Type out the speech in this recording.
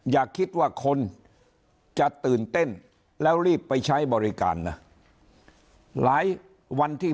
อย่าคิดว่าคนจะตื่นเต้นแล้วรีบไปใช้บริการนะหลายวันที่